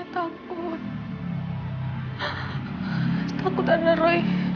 takut ada roy